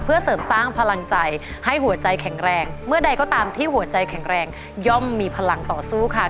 เพื่อเสริมสร้างพลังใจให้หัวใจแข็งแรงเมื่อใดก็ตามที่หัวใจแข็งแรงย่อมมีพลังต่อสู้ค่ะ